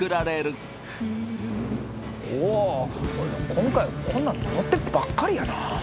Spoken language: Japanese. おお今回こんなんに乗ってばっかりやな。